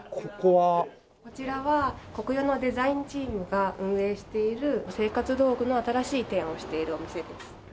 こちらはコクヨのデザインチームが運営している生活道具の新しい提案をしているお店です。